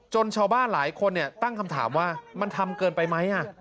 ชาวบ้านหลายคนตั้งคำถามว่ามันทำเกินไปไหม